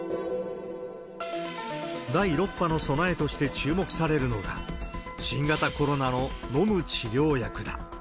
第６波の備えとして注目されるのが、新型コロナの飲む治療薬だ。